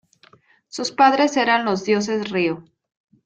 Sus padres eran los dioses-río.